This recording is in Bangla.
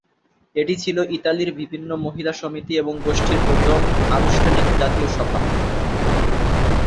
এটি ছিল ইতালির বিভিন্ন মহিলা সমিতি এবং গোষ্ঠীর প্রথম আনুষ্ঠানিক জাতীয় সভা।